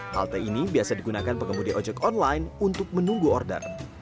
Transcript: halte ini biasa digunakan pengemudi ojek online untuk menunggu order